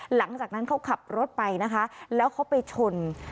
หลังจากนั้นเขาขับรถไปนะคะแล้วเขาไปชน